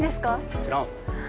もちろん。